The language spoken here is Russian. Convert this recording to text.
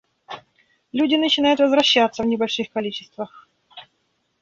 Люди начинают возвращаться в небольших количествах.